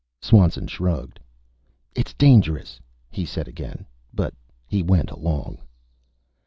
Swanson shrugged. "It's dangerous," he said again. But he went along.